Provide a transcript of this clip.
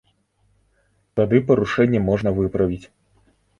Тады парушэнні можна выправіць.